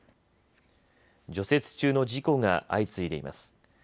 除雪中の事故が相次いでいます。